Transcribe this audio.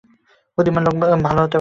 বুদ্ধিমান কেউ ভালোমানুষ হতে পারে না।